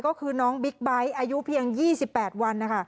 ก็คือน้องบิ๊กไบท์อายุเพียง๒๘วันนะคะ